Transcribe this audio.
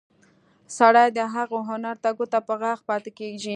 سړی د هغه هنر ته ګوته په غاښ پاتې کېږي.